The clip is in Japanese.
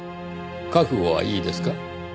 覚悟はいいですか？